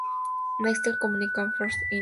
Nextel Communications, Inc.